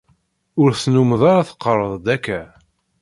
Ur tennumeḍ ara teqqareḍ-d akka.